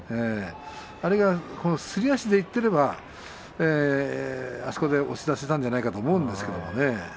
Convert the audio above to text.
あれが、すり足で攻めていけばあそこで押し出せたんじゃないかと思います。